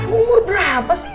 umur berapa sih